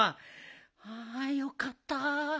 あよかった。